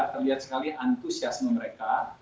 terlihat sekali antusiasme mereka